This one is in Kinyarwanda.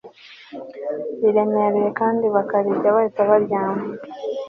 riremereye kandi bakarirya bahita baryama